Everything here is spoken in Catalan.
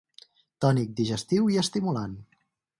Tònic, digestiu i estimulant.